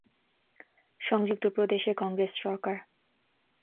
সংযুক্ত প্রদেশে কংগ্রেস সরকার।